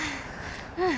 うん。